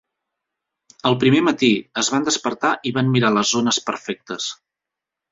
El primer matí, es van despertar i van mirar les ones perfectes.